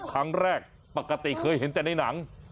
ครั้งแรกปกติเคยเห็นแต่ในหนัง